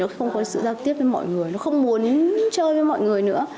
thì nó không có sự giao tiếp với mọi người nó không muốn chơi với mọi người nữa